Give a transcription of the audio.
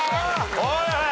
はいはい。